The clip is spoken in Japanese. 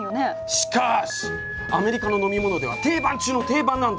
しかしアメリカの飲み物では定番中の定番なんだよ。